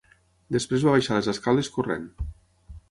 Després va baixar les escales corrent.